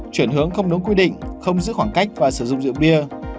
chuyển hướng không đúng quy định không giữ khoảng cách và sử dụng rượu bia